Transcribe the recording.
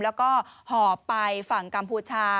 แล้วก็หอบไปฝั่งกัมพูชา